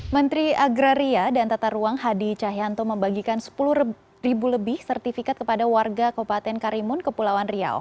menteri agraria dan tata ruang hadi cahyanto membagikan sepuluh ribu lebih sertifikat kepada warga kabupaten karimun kepulauan riau